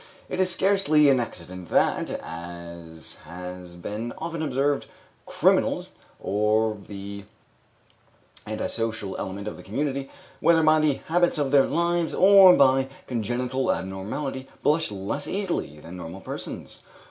It is scarcely an accident that, as has been often observed, criminals, or the antisocial element of the community whether by the habits of their lives or by congenital abnormality blush less easily than normal persons.